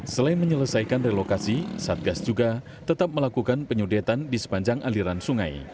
selain menyelesaikan relokasi satgas juga tetap melakukan penyudetan di sepanjang aliran sungai